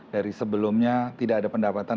dari sebelumnya tidak ada pendapatan